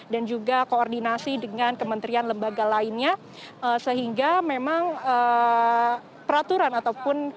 dan juga koordinasi dengan kementerian lembaga lainnya sehingga memang peraturan ataupun kementeriannya